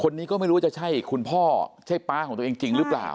คนนี้ก็ไม่รู้ว่าจะใช่คุณพ่อใช่ป๊าของตัวเองจริงหรือเปล่า